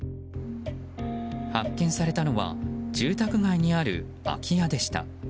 発見されたのは住宅街にある空家でした。